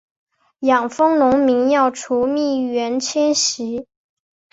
养蜂农民要逐蜜源迁徙